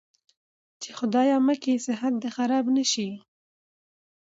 چې خدايه مکې صحت دې خراب نه شي.